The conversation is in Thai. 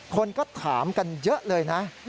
คนก็ถามกันเยอะเลยนะ